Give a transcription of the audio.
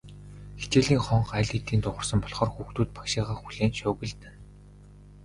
Хичээлийн хонх аль хэдийн дуугарсан болохоор хүүхдүүд багшийгаа хүлээн шуугилдана.